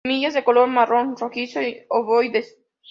Semillas de color marrón rojizo, ovoides.